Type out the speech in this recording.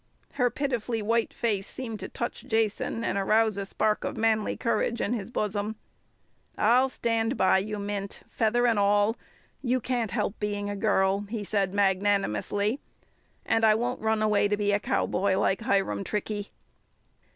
Her pitifully white face seemed to touch Jason and arouse a spark of manly courage in his bosom. "I'll stand by you, Mint, feather and all. You can't help being a girl," he said magnanimously. "And I won't run away to be a cowboy like Hiram Trickey."